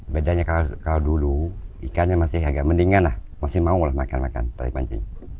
bedanya kalau dulu ikannya masih agak mendingan lah masih mau lah makan makan tapi mancing